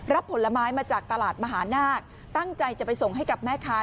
ผลไม้มาจากตลาดมหานาคตั้งใจจะไปส่งให้กับแม่ค้า